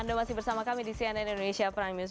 anda masih bersama kami di cnn indonesia prime news